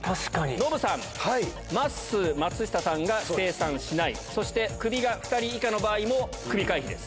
ノブさん、まっすー、松下さんが精算しない、そして、クビが２人以下の場合もクビ回避です。